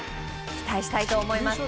期待したいと思います。